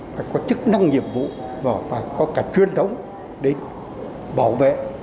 phải có chức năng nhiệm vụ và phải có cả truyền thống đến bảo vệ